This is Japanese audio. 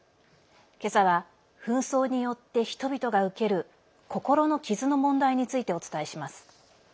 今朝は紛争によって人々が受ける心の傷の問題についてお伝えします。